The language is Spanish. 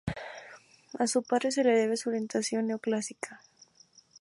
A su padre se le debe su orientación neoclásica.